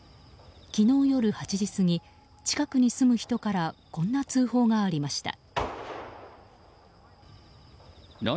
昨日夜８時過ぎ近くに住む人からこんな通報がありました。